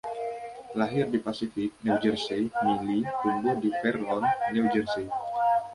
Lahir di Passaic, New Jersey, Millie tumbuh di Fair Lawn, New Jersey.